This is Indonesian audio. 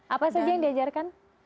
apa saja yang diajarkan